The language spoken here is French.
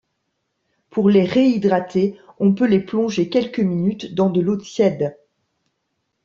Pour les réhydrater, on peut les plonger quelques minutes dans de l'eau tiède..